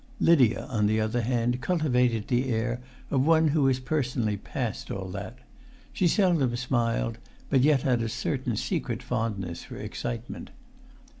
Lydia, on the other hand, cultivated the air of one who is personally past all that. She seldom smiled, but yet had a certain secret fondness for excitement.